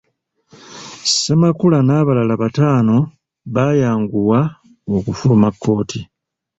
Ssemakula n’abalala bataano bayanguwa okufuluma kkooti.